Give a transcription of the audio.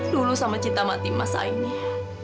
dulu sama cinta mati mas aini